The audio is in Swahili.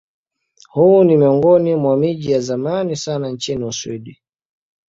Huu ni miongoni mwa miji ya zamani sana nchini Uswidi.